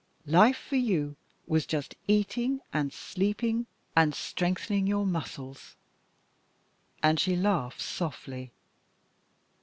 Life, for you, was just eating and sleeping and strengthening your muscles." And she laughed softly.